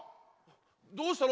どうしたの？